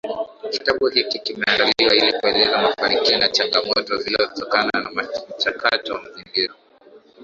Kitabu hiki kimeandaliwa ili kueleza mafanikio na changamoto zilizotokana na mchakato wa mazingira